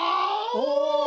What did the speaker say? お！